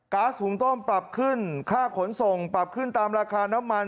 ๊าซหุงต้มปรับขึ้นค่าขนส่งปรับขึ้นตามราคาน้ำมัน